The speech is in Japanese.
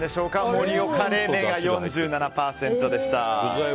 盛岡冷麺が４７％でした。